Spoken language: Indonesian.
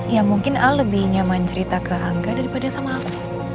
ya mungkin a lebih nyaman cerita ke angga daripada sama aku